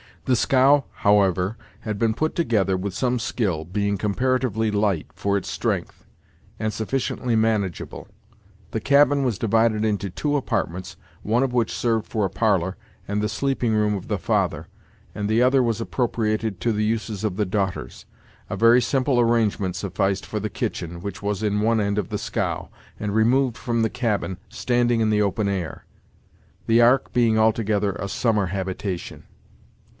The scow, however, had been put together with some skill, being comparatively light, for its strength, and sufficiently manageable. The cabin was divided into two apartments, one of which served for a parlor, and the sleeping room of the father, and the other was appropriated to the uses of the daughters. A very simple arrangement sufficed for the kitchen, which was in one end of the scow, and removed from the cabin, standing in the open air; the ark being altogether a summer habitation.